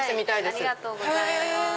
ありがとうございます。